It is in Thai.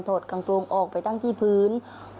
อดกางกลมออกไปตั้งที่พื้น